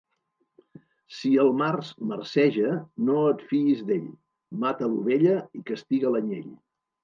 Si el març marceja, no et fiïs d'ell; mata l'ovella i castiga l'anyell.